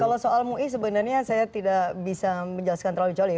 kalau soal mui sebenarnya saya tidak bisa menjelaskan terlalu jauh ya